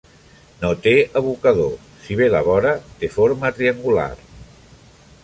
No té abocador, si bé la vora té forma triangular.